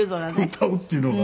歌おうっていうのが。